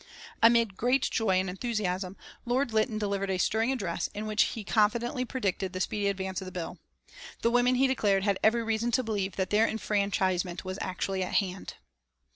Amid great joy and enthusiasm Lord Lytton delivered a stirring address in which he confidently predicted the speedy advance of the bill. The women, he declared, had every reason to believe that their enfranchisement was actually at hand.